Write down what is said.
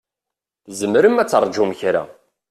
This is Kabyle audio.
Tzemrem ad terǧum kra?